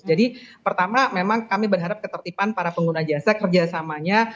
jadi pertama memang kami berharap ketertiban para pengguna jasa kerjasamanya